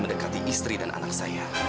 mendekati istri dan anak saya